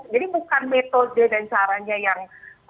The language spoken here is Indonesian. jadi bukan metode dan sarannya yang